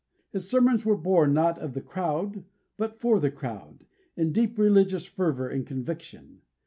His sermons were born not of the crowd, but for the crowd, in deep religious fervour and conviction.